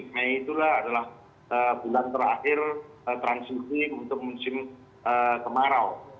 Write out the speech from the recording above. mei itulah adalah bulan terakhir transisi untuk musim kemarau